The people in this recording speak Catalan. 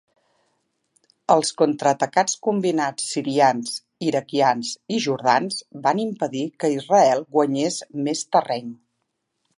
Els contraatacs combinats sirians, iraquians i jordans van impedir que Israel guanyés més terreny.